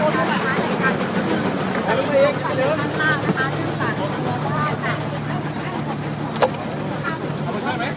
สวัสดีครับ